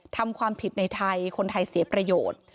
ทำความผิดในไทยคนไทยเสียประโยชน์